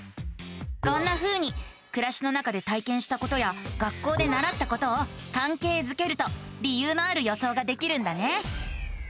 こんなふうにくらしの中で体験したことや学校でならったことをかんけいづけると理由のある予想ができるんだね。